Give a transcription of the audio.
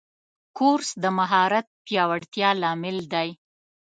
کورس د مهارت پیاوړتیا لامل دی.